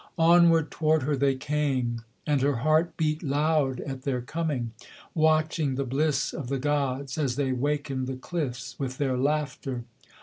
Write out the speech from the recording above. Onward toward her they came, and her heart beat loud at their coming, Watching the bliss of the gods, as they wakened the cliffs with their laughter.